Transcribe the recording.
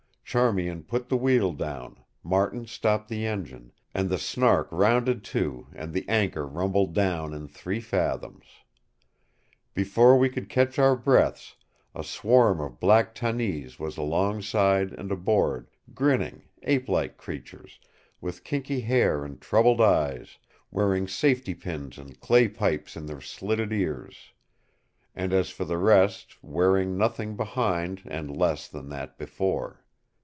Charmian put the wheel down, Martin stopped the engine, and the Snark rounded to and the anchor rumbled down in three fathoms. Before we could catch our breaths a swarm of black Tannese was alongside and aboard—grinning, apelike creatures, with kinky hair and troubled eyes, wearing safety pins and clay pipes in their slitted ears: and as for the rest, wearing nothing behind and less than that before.